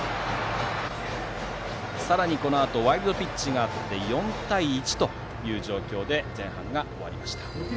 さらに、このあとワイルドピッチで４対１という状況で前半が終わりました。